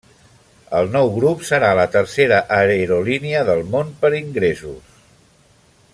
El nou grup serà la tercera aerolínia del món per ingressos.